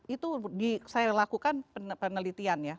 itu saya lakukan penelitian ya